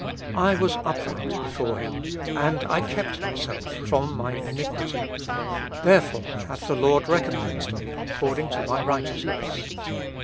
... I was upright before Him, and I kept myself from mine iniquity : therefore hath the Lord recom pensed me according to my righteousness."